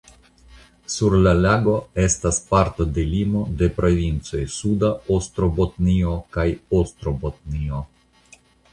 Sur la lago estas parto de limo de provincoj Suda Ostrobotnio kaj Ostrobotnio.